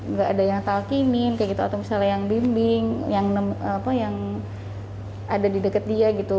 nggak ada yang talkinin kayak gitu atau misalnya yang bimbing yang apa yang ada di deket dia gitu